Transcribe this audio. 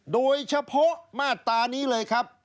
โดยเฉพาะมาตรานี้เลยครับ